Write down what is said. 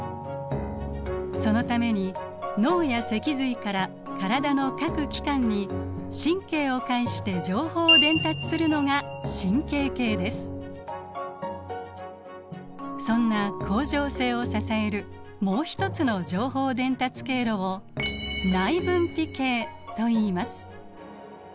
そのために脳や脊髄から体の各器官に神経を介して情報を伝達するのがそんな恒常性を支えるもう一つの情報伝達経路を内分泌系といいます。